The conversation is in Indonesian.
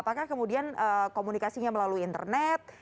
apakah kemudian komunikasinya melalui internet